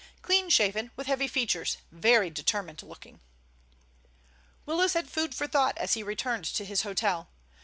Clean shaven, with heavy features, very determined looking." Willis had food for thought as he returned to his hotel.